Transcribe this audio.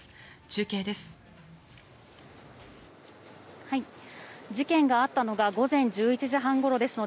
中継です。